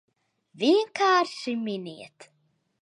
Vienkārši miniet!